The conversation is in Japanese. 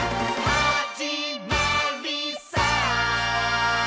「はじまりさー」